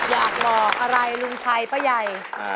อยากบอกอะไรลุงไทยป้าย